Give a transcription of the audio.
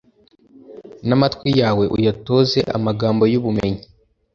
n’amatwi yawe uyatoze amagambo y’ubumenyi